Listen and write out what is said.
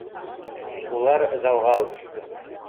Улар залға үтте